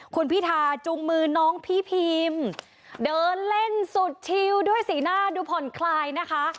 คุณพิธาจุงมือน้องพี่พิมเดินเล่นสุดชิลด้วยสีหน้าดูผ่อนคลายนะคะ